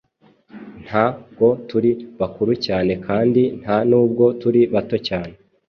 Nta bwo turi bakuru cyane kandi nta nubwo turi bato cyane.